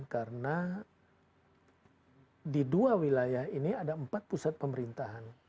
karena di dua wilayah ini ada empat pusat pembangunan